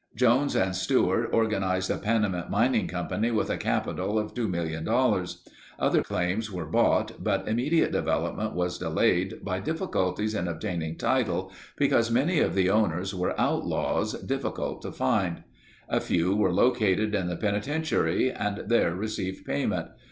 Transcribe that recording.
Jones and Stewart organized the Panamint Mining Company with a capital of $2,000,000. Other claims were bought but immediate development was delayed by difficulties in obtaining title because many of the owners were outlaws, difficult to find. A few were located in the penitentiary and there received payment.